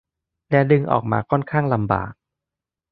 และดึงออกมาค่อนข้างลำบาก